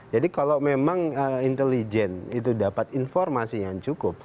jadi kalau memang intelijen itu dapat informasi yang cukup